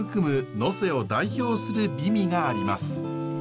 能勢を代表する美味があります。